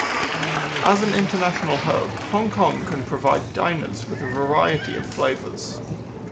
As an international hub, Hong Kong can provide diners with a variety of flavours.